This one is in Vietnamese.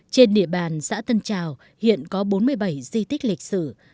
trên địa bàn xã tân trào hiện có bốn mươi bảy di tích lịch sử